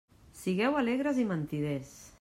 Sigueu alegres i mentiders!